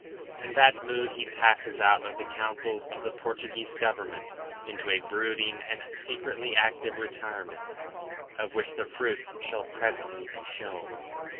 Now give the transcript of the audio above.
In that mood he passes out of the councils of the Portuguese Government into a brooding and secretly active retirement, of which the fruits shall presently be shown.